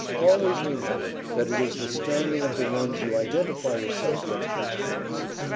Always remember, that it is the standing of the ones you identify yourself with which counts.